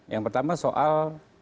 yang pertama soal